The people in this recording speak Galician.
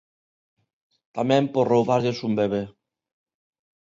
Tamén por roubarlles un bebé.